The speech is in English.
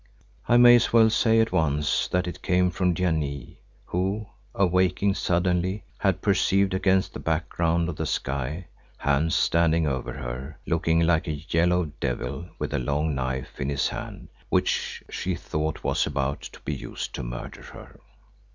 I may as well say at once that it came from Janee who, awaking suddenly, had perceived against the background of the sky, Hans standing over her, looking like a yellow devil with a long knife in his hand, which she thought was about to be used to murder her.